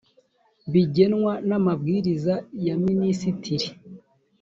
bigenwa n amabwiriza ya minisitiri